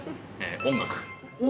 音楽？